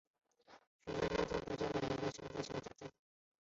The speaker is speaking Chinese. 期间向许多宗教学者请教。